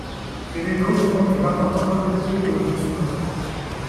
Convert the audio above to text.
Quevedo compte une importante communauté d'origine chinoise.